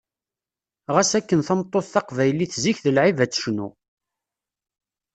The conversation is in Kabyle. Ɣas akken tameṭṭut taqbaylit zik d lɛib ad tecnu.